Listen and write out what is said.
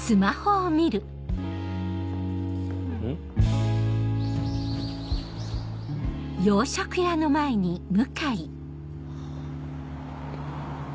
ん？ハァ。